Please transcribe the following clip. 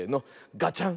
ガチャン。